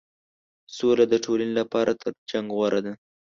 سوله د ټولنې لپاره تر جنګ غوره ده.